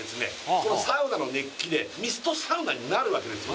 このサウナの熱気でミストサウナになるわけですよ